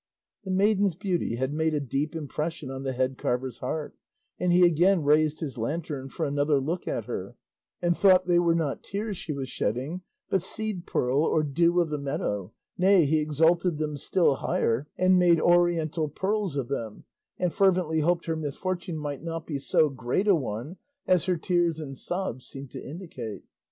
The maiden's beauty had made a deep impression on the head carver's heart, and he again raised his lantern for another look at her, and thought they were not tears she was shedding, but seed pearl or dew of the meadow, nay, he exalted them still higher, and made Oriental pearls of them, and fervently hoped her misfortune might not be so great a one as her tears and sobs seemed to indicate.